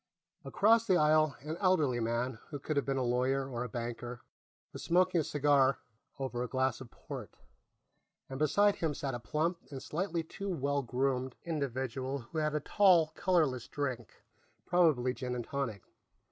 Across the aisle, an elderly man, who could have been a lawyer or a banker, was smoking a cigar over a glass of port, and beside him sat a plump and slightly too well groomed individual who had a tall colorless drink, probably gin and tonic.